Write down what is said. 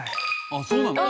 あっそうなの？